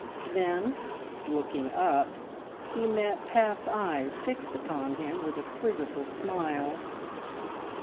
Then, looking up, he met Pat's eyes fixed upon him with a quizzical smile.